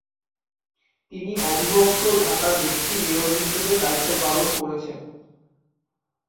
তিনি অবিভক্ত ঢাকার ডেপুটি মেয়র হিসেবে দায়িত্ব পালন করেছেন।